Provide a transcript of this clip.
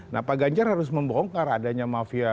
nah pak ganjar harus membongkar adanya mafia